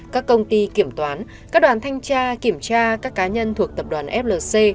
các công ty kiểm toán các đoàn thanh tra kiểm tra các cá nhân thuộc tập đoàn flc